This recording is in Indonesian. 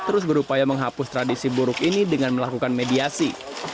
terus berupaya menghapus tradisi buruk ini dengan melakukan mediasi